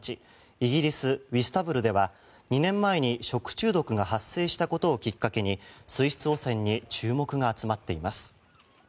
イギリス・ウィスタブルでは２年前に食中毒が発生したことをきっかけに水質汚染に注目が集まっています。